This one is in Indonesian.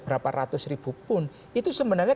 berapa ratus ribu pun itu sebenarnya